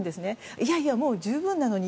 いやいや、もう十分なのに。